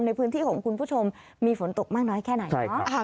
ในพื้นที่ของคุณผู้ชมมีฝนตกมากน้อยแค่ไหนเนาะ